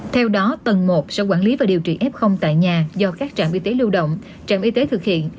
theo đó tầng một sẽ quản lý và điều trị f tại nhà do các trạm y tế lưu động trạm y tế thực hiện